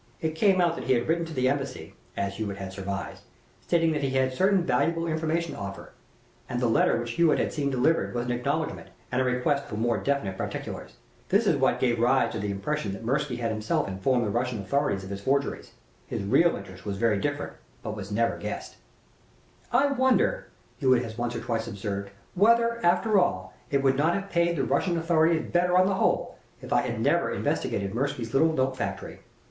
It came out that he had written to the embassy, as Hewitt had surmised, stating that he had certain valuable information to offer, and the letter which Hewitt had seen delivered was an acknowledgment, and a request for more definite particulars. This was what gave rise to the impression that Mirsky had himself informed the Russian authorities of his forgeries. His real intent was very different, but was never guessed. "I wonder," Hewitt has once or twice observed, "whether, after all, it would not have paid the Russian authorities better on the whole if I had never investigated Mirsky's little note factory.